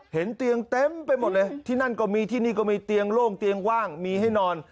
เห็นเตียงเต็มไปหมดเลยที่นั่นก็มีที่นี่ก็มีเตียงโล่งเตียงว่างมีให้นอน